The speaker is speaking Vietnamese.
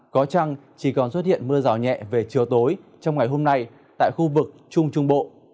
có chăng chỉ còn xuất hiện mưa rào nhẹ về chiều tối trong ngày hôm nay tại khu vực trung trung bộ